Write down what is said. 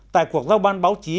tại cuộc giao ban báo chí